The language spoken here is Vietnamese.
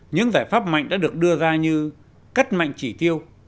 những giải pháp mạnh đã được đưa ra như cắt mạnh chỉ tiêu